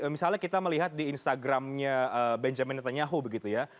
misalnya kita melihat di instagramnya benjamin netanyahu begitu ya